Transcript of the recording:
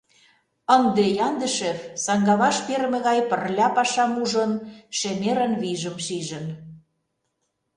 Ынде Яндышев, саҥгаваш перыме гай пырля пашам ужын, шемерын вийжым шижын.